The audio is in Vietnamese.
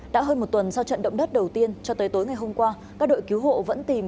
đã hơn một tuần sau trận động đất đầu tiên cho tới tối ngày hôm qua các đội cứu hộ vẫn tìm